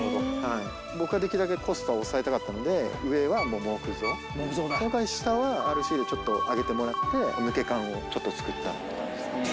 僕はできるだけコストは抑えたかったので、上は木造、その代わり下はＲＣでちょっと上げてもらって、抜け感をちょっと造ったって感じですね。